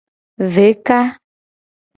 Veka.